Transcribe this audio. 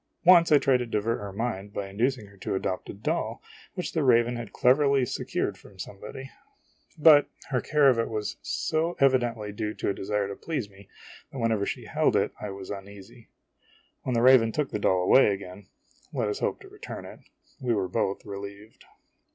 Once I tried to divert her mind by inducing her to adopt a doll which the raven had cleverly secured from somebody ; but her care of it was so 88 IMAGINOTIONS evidently clue to a desire to please me that whenever she held it I was uneasy. When the raven took the doll away again (let us hope, to return it), we were both relieved.